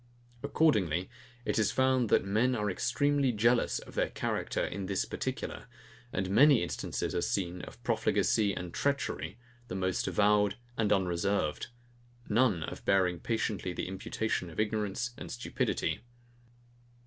Accordingly, it is found, that men are extremely jealous of their character in this particular; and many instances are seen of profligacy and treachery, the most avowed and unreserved; none of bearing patiently the imputation of ignorance and stupidity.